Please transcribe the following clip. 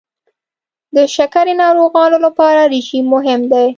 د شکرې ناروغانو لپاره رژیم مهم دی.